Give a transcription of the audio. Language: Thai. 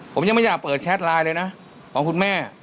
ผมยังไม่อยากเปิดแชทไลน์เลยนะของคุณแม่